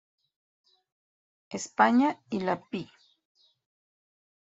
España y la Pl.